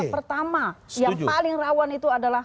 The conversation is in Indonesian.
pertama yang paling rawan itu adalah